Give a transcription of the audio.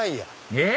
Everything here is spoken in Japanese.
えっ？